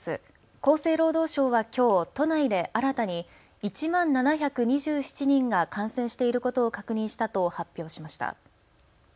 厚生労働省はきょう都内で新たに１万７２７人が感染していることを確認したと発表しました。